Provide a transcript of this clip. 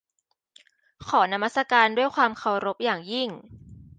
ขอนมัสการด้วยความเคารพอย่างยิ่ง